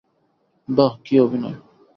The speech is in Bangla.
বাহ, কী অভিনয়।